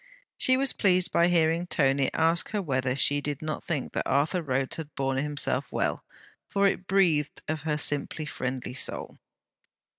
She was pleased by hearing Tony ask her whether she did not think that Arthur Rhodes had borne himself well; for it breathed of her simply friendly soul.